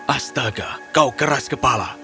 astaga kau keras kepala